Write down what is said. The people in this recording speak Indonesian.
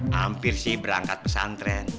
hampir sih berangkat pesantren